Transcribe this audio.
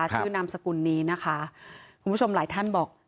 ชื่อนามสกุลนี้นะคะคุณผู้ชมหลายท่านบอก